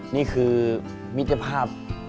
นี่คือมิตรภาพ